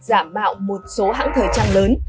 giả mạo một số hãng thời trang lớn